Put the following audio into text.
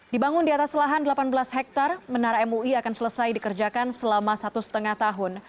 dibangun di atas lahan delapan belas hektare menara mui akan selesai dikerjakan selama satu lima tahun